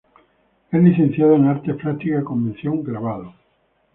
Es Licenciada en Artes Plásticas con mención Grabado.